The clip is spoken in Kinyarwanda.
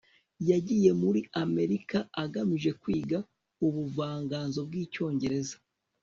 yagiye muri amerika agamije kwiga ubuvanganzo bw'icyongereza